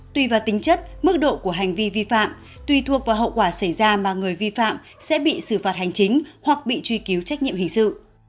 tùy vào tính chất mức độ của hành vi vi phạm tùy thuộc vào hậu quả xảy ra mà người vi phạm sẽ bị xử phạt hành chính hoặc bị truy cứu trách nhiệm hình sự